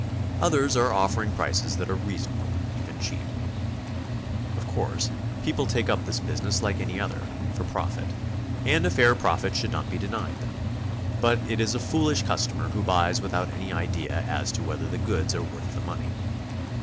Others are offer'ing prices that are reasonable, even cheap. Of course people take up this business like any other, for profit, and a fair profit should not be denied them, but it is a foolish customer who buys without any idea as to whether the goods are worth the money.